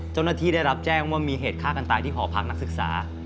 เจ้าหน้าที่ได้รับแจ้งว่ามีเหตุฆ่ากันตายที่หอพักนักศึกษา